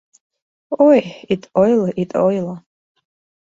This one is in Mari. — Ой, ит ойло, ит ойло...